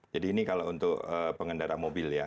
jadi ini kalau untuk pengendara mobil ya